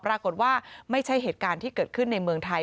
ปรากฏว่าไม่ใช่เหตุการณ์ที่เกิดขึ้นในเมืองไทย